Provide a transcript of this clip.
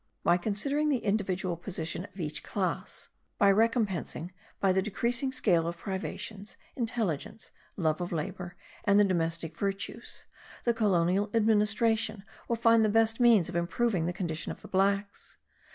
By considering the individual position of each class, by recompensing, by the decreasing scale of privations, intelligence, love of labour and the domestic virtues, the colonial administration will find the best means of improving the condition of the blacks.